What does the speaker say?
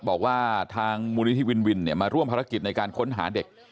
บอกว่าทางมูลนิธิวินวินมาร่วมภารกิจในการค้นหาเด็ก